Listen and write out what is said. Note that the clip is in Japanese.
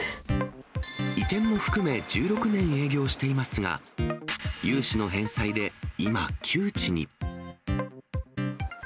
移転も含め、１６年営業していますが、融資の返済で今、窮地に。